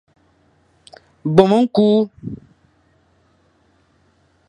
Bôm ñkul.